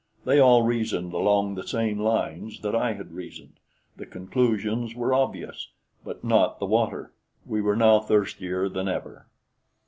They all reasoned along the same lines that I had reasoned the conclusions were obvious, but not the water. We were now thirstier than ever.